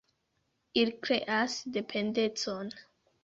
Ili kreas dependecon.